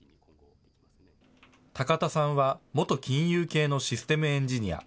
高田さんは、元金融系のシステムエンジニア。